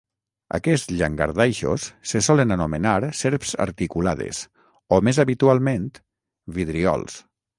Aquests llangardaixos se solen anomenar serps articulades o, més habitualment, vidriols.